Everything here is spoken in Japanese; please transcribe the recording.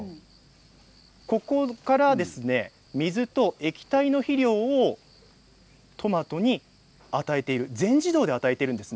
ここから水と液体の肥料をトマトに全自動で与えているんです。